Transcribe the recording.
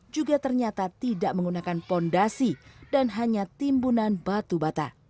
juga ternyata tidak menggunakan fondasi dan hanya timbunan batu bata